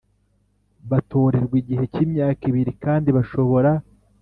Batorerwa igihe cy imyaka ibiri kandi bashobora